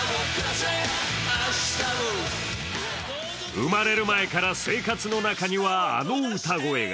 生まれる前から生活の中にはあの歌声が。